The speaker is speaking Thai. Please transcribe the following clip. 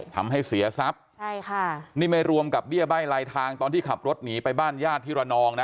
ทำให้เสียทรัพย์ใช่ค่ะนี่ไม่รวมกับเบี้ยใบ้ลายทางตอนที่ขับรถหนีไปบ้านญาติที่ระนองนะ